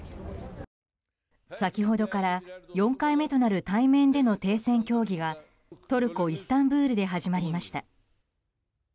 先ほどから４回目となる対面での停戦協議がトルコ・イスタンブールで始まりました。